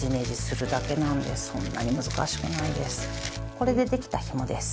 これでできたひもです。